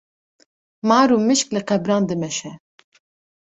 Mar û mişk li qebran dimeşe